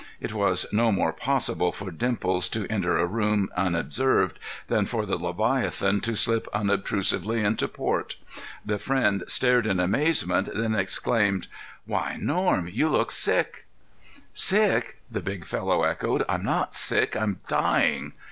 It was no more possible for Dimples to enter a room unobserved than for the Leviathan to slip unobtrusively into port. The friend stared in amazement, then exclaimed: "Why, Norm! You look sick." "'Sick?'" the big fellow echoed. "I'm not sick; I'm dying."